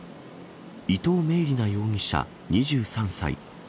伊藤明理那容疑者２３歳。